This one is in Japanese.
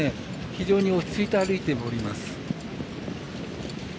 非常に落ち着いて歩いております。